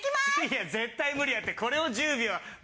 いや絶対無理やてこれを１０秒は無理無理。